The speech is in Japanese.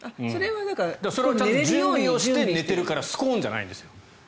それは準備して寝てるからスコンじゃないんですよ。